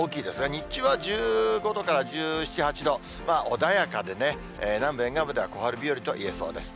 日中は１５度から１７、８度、穏やかでね、南部沿岸部では小春日和といえそうです。